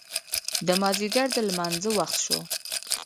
د مازدیګر د لمانځه وخت شو.